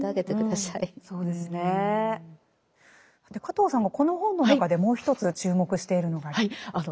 さて加藤さんがこの本の中でもう一つ注目しているのがありますね。